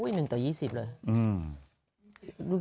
หนึ่งต่อ๒๐เลย